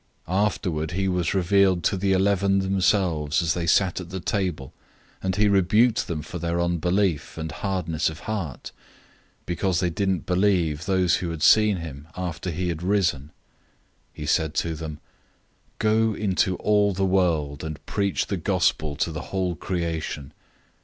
016:014 Afterward he was revealed to the eleven themselves as they sat at the table, and he rebuked them for their unbelief and hardness of heart, because they didn't believe those who had seen him after he had risen. 016:015 He said to them, "Go into all the world, and preach the Good News to the whole creation.